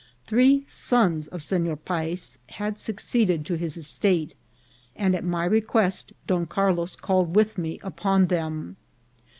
Three sons of Seiior Payes had succeeded to his estate, and at my request Don Carlos called with me upon them.